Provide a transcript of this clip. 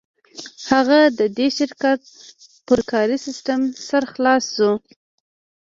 هغه د دې شرکت پر کاري سیسټم سر خلاص شو